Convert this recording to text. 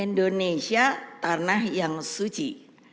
indonesia tanah yang suci